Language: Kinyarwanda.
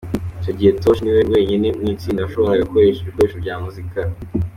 Icyo gihe Tosh niwe wenyine mu itsinda washoboraga gukoresha ibikoresho bya muzika.